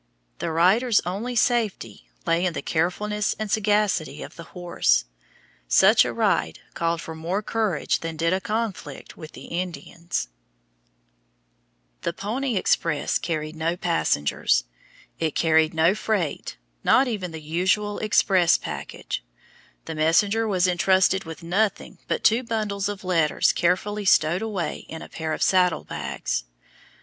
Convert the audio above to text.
The rider's only safety lay in the carefulness and sagacity of the horse. Such a ride called for more courage than did a conflict with Indians! [Illustration: FIG. 92. PALISADES OF THE HUMBOLDT RIVER, NEVADA Near the overland trail] The pony express carried no passengers. It carried no freight, not even the usual express package. The messenger was intrusted with nothing but two bundles of letters carefully stowed away in a pair of saddle bags.